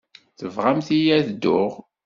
Tebɣamt-iyi ad dduɣ?